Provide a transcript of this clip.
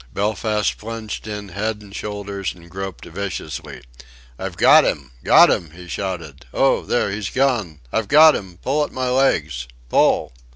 Belfast plunged in head and shoulders and groped viciously. "I've got 'im! Got 'im," he shouted. "Oh! There!... He's gone; I've got 'im!... Pull at my legs!... Pull!"